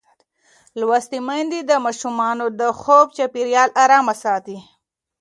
لوستې میندې د ماشومانو د خوب چاپېریال آرام ساتي.